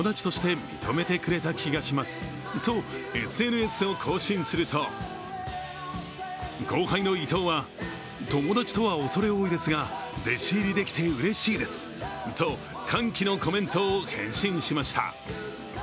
先輩のダルビッシュが、なかなか話してくれなかったけど最後は友達として認めてくれた気がしますと、ＳＮＳを更新すると、後輩の伊藤は、友達とは恐れ多いですが、弟子入りできてうれしいですと歓喜のコメントを返信しました。